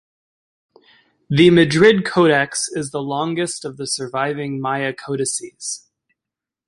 The Madrid Codex is the longest of the surviving Maya codices.